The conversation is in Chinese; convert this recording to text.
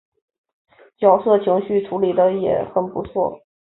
角色情绪处理的也很不错